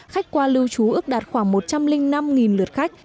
khách qua lưu trú ước đạt khoảng một trăm linh năm lượt khách